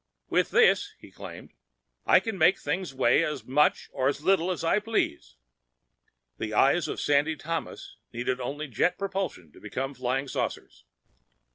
"With this," he claimed, "I can make things weigh as much or as little as I please!" The eyes of Sandy Thomas needed only jet propulsion to become flying saucers.